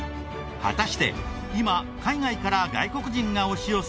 果たして今海外から外国人が押し寄せる